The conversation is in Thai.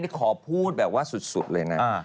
นี่ขอพูดแบบว่าสุดเลยนะ